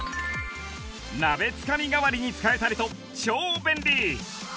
鍋つかみ代わりに使えたりと超便利